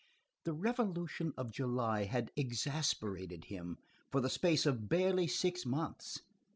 The Revolution of July had exasperated him for the space of barely six months.